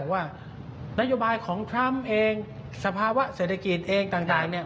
ว่านโยบายของทรัมป์เองสภาวะเศรษฐกิจเองต่างเนี่ย